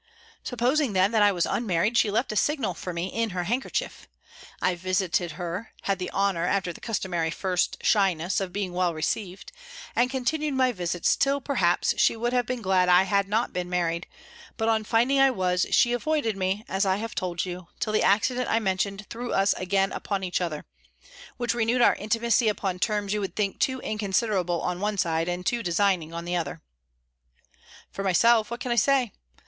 "Supposing, then, that I was unmarried, she left a signal for me in her handkerchief. I visited her; had the honour, after the customary first shyness, of being well received; and continued my visits, till, perhaps, she would have been glad I had not been married, but on finding I was, she avoided me, as I have told you, till the accident I mentioned threw us again upon each other: which renewed our intimacy upon terms you would think too inconsiderable on one side, and too designing on the other. "For myself, what can I say?